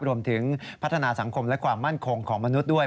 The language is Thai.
รวมถึงพัฒนาสังคมและความมั่นคงของมนุษย์ด้วย